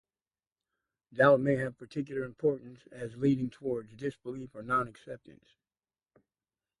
Doubt may have particular importance as leading towards disbelief or non-acceptance.